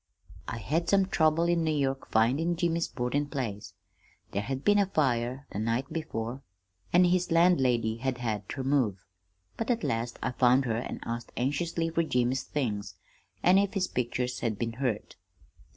"I had some trouble in New York findin' Jimmy's boardin' place. There had been a fire the night before, an' his landlady had had ter move; but at last I found her an' asked anxiously fer Jimmy's things, an' if his pictures had been hurt.